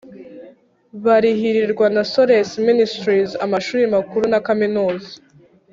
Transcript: barihirwa na Solace Ministries amashuri makuru na kaminuza